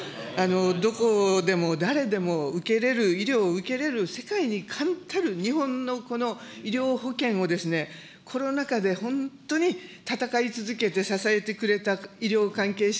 どこでも誰でも受けれる、医療を受けれる、世界に冠たる日本の医療保険をですね、コロナ禍で本当に闘い続けて、支えてくれた医療関係者、